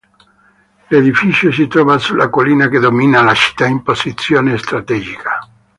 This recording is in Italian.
L'edificio si trova sulla collina che domina la città in posizione strategica.